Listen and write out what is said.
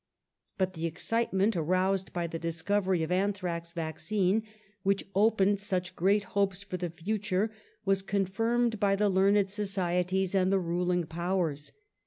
But the excitement aroused by the discovery of anthrax vaccine, which opened such great hopes for the future, was confirmed by the learned societies and the ruling powers.